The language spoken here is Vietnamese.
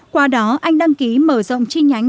qua đó anh đăng ký mở rộng chi nhánh